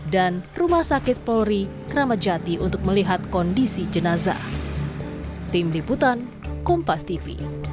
dan rumah sakit polri kramajati untuk melihat kondisi jenazah